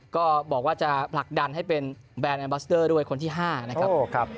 ก็บอกว่าจะผลักดันให้เป็นแบรนดแอมบัสเตอร์ด้วยคนที่๕นะครับ